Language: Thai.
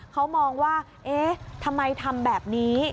เขามองว่าเอ๊ะทำไมทำแบบนี้